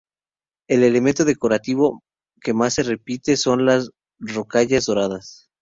El elemento decorativo que más se repite son las rocallas doradas.